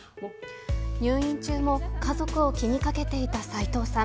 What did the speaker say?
入院中も家族を気にかけていた斉藤さん。